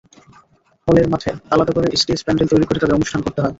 হলের মাঠে আলাদা করে স্টেজ-প্যান্ডেল তৈরি করে তাঁদের অনুষ্ঠান করতে হয়।